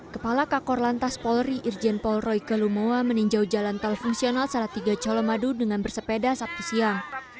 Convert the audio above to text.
kepala kakor lantas polri irjen paul royke lumowa meninjau jalan tol fungsional salatiga colomadu dengan bersepeda sabtu siang